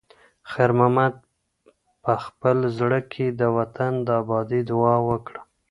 خیر محمد په خپل زړه کې د وطن د ابادۍ دعا وکړه.